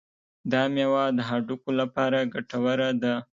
دا میوه د هډوکو لپاره ګټوره ده.